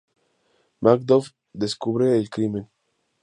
Macduff descubre el crimen.